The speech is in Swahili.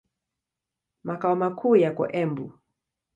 Makao makuu yako Embu.